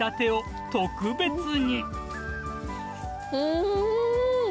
うん！